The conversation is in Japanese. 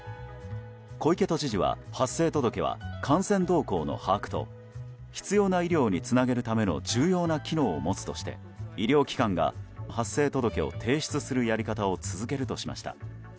小池都知事は発生届は感染動向の把握と必要な医療につなげるための重要な機能を持つとして医療機関が発生届を提出するやり方を続けるとしました。